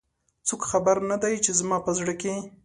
څوک خبر نه د ی، چې زما په زړه کې